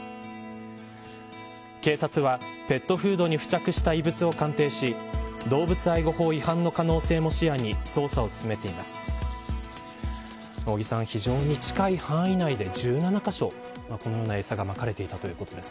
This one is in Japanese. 警察はペットフードに付着した異物を鑑定し動物愛護法違反の可能性も視野に捜査を進めています。